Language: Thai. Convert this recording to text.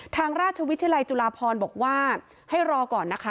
ทางราชวิทยาลัยจุฬาพรบอกว่าให้รอก่อนนะคะ